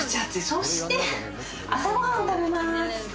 そして朝ご飯を食べます。